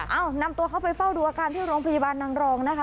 เอ้านำตัวเขาไปเฝ้าดูอาการที่โรงพยาบาลนางรองนะคะ